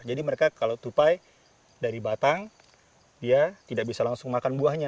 jadi mereka kalau tupai dari batang dia tidak bisa langsung makan buahnya